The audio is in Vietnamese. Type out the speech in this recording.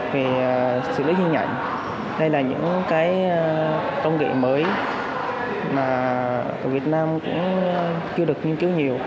về xử lý hình ảnh hay là những cái công nghệ mới mà việt nam cũng chưa được nghiên cứu nhiều